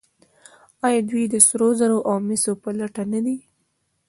آیا دوی د سرو زرو او مسو په لټه نه دي؟